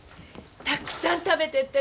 たくさん食べてって。